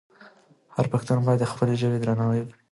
هر پښتون باید د خپلې ژبې درناوی وکړي.